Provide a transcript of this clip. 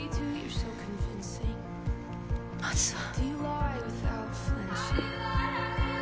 まずは。